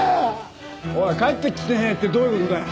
おい帰ってきてねえってどういう事だよ？